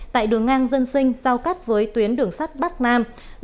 tại đường ngang dân sinh giao cắt với tuyến đường sắt bắc nam